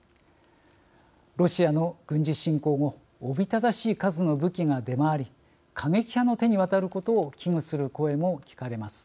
ロシアの軍事侵攻後おびただしい数の武器が出回り過激派の手に渡ることを危惧する声も聴かれます。